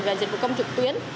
về dịch vụ công trực tuyến